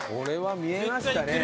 見えました。